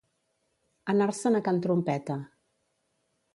Anar-se'n a can trompeta.